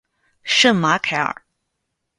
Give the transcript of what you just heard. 圣马凯尔。